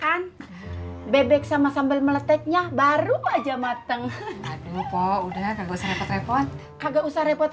hai bebek sama sambil meleteknya baru aja mateng di lubang udah tebak repot repot kagak usah repot